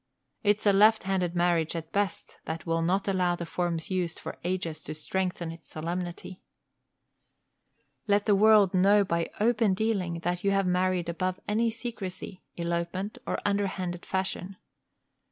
It's a left handed marriage at best that will not allow the forms used for ages to strengthen its solemnity. Let the world know by open dealing that you have married above any secrecy, elopement, or underhanded fashion.